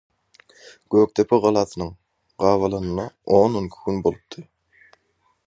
Gökdepe galasynyň gabalanyna on-onki gün bolupdy.